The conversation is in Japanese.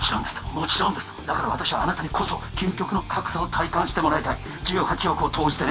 もちろんですだから私はあなたにこそ究極の格差を体感してもらいたい１８億を投じてね